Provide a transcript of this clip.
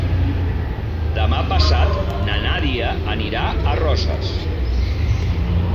Demà passat na Nàdia anirà a Roses.